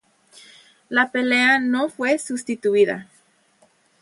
La pelea no fue sustituida.